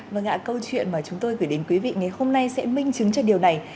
vâng ạ câu chuyện mà chúng tôi gửi đến quý vị ngày hôm nay sẽ minh chứng cho điều này